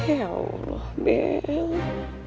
ya allah bella